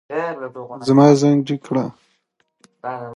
موټر چلونکی په خپل ذهن کې د خپل کلي د کوڅو یادونه لټوي.